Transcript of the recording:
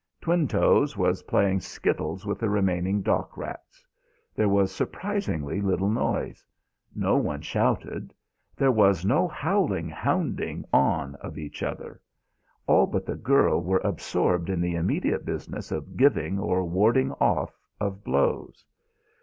Twinetoes was playing skittles with the remaining dock rats. There was surprisingly little noise. No one shouted. There was no howling hounding on of each other. All but the girl were absorbed in the immediate business of giving or warding off of blows.